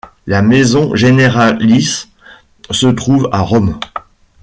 La maison généralice se trouve à Rome.